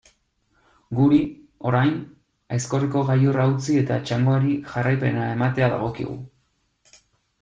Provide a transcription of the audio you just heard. Guri, orain, Aizkorriko gailurra utzi eta txangoari jarraipena ematea dagokigu.